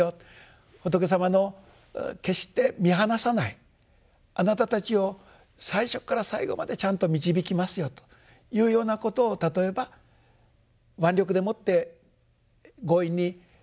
仏様の決して見放さないあなたたちを最初から最後までちゃんと導きますよというようなことを例えば腕力でもって強引にこの苦しみの世界から悟りの世界へ導くのではない。